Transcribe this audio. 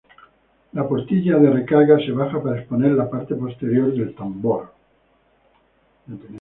La portilla de recarga se baja para exponer la parte posterior del tambor.